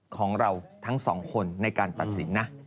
ของเราทั้งสองคนในการตัดสินนะ